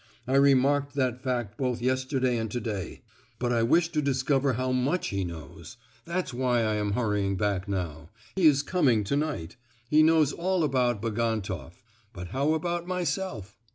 I remarked that fact both yesterday and to day. But I wish to discover how much he knows. That's why I am hurrying back now; he is coming to night. He knows all about Bagantoff; but how about myself?